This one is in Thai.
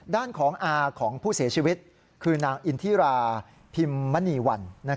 ด้านของอาของผู้เสียชีวิตคือนางอินทิราพิมมณีวัน